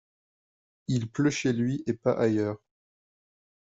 Il pleut chez lui et pas ailleurs.